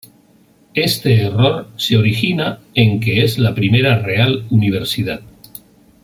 Este error se origina en que es la primera real universidad.